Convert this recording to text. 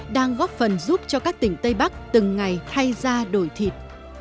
đang góp phần giúp cho các tỉnh tây bắc từng ngày thay ra đổi thịt